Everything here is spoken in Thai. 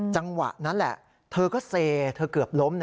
จังหวะนั้นแหละเธอก็เซเธอเกือบล้ม